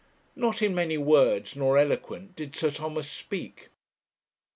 Not in many words, nor eloquent did Sir Thomas speak.